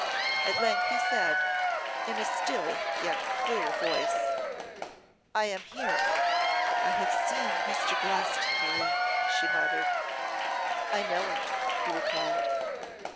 At length he said, in a still yet clear voice, 'I am here.' 'I have seen Mr. Glastonbury,' she muttered. 'I know it,' he replied.